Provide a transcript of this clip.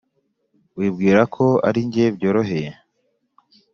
wibwira ko aringe byoroheye